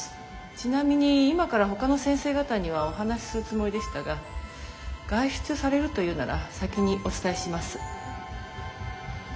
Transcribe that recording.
ちなみに今からほかの先生方にはお話しするつもりでしたが外出されるというなら先にお伝えします。